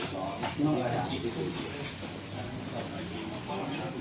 กล้องไม่ได้ครับ